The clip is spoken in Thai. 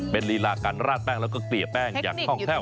เป็นลีลาการราดแป้งแล้วก็เกลี่ยแป้งอย่างคล่องแคว่